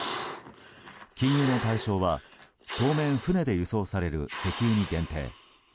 禁輸の対象は当面船で輸送される石油に限定。